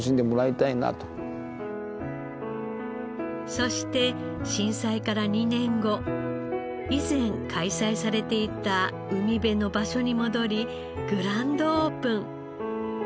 そして震災から２年後以前開催されていた海辺の場所に戻りグランドオープン。